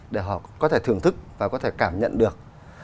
để họ có thể thưởng thức và có thể cảm nhận được